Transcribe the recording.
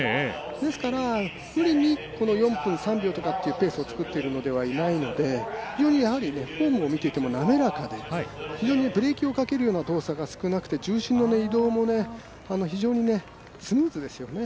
ですから、無理に４分３秒というペースを作っているのではないので非常にフォームを見ていても滑らかで非常にブレーキをかけるような動作が少なくて重心の移動も非常にスムーズですよね。